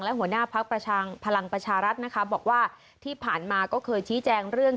และหัวหน้าพักพลังประชารัฐนะคะบอกว่าที่ผ่านมาก็เคยชี้แจงเรื่อง